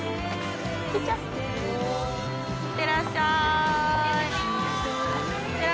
いってらっしゃい。